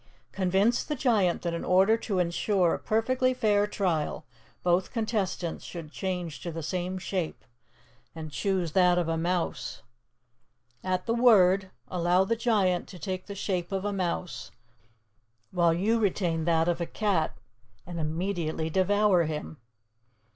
Convince the giant that in order to insure a perfectly fair trial, both contestants should change to the same shape, and choose that of a mouse. At the word, allow the giant to take the shape of a mouse, while you retain that of a cat, and immediately devour him.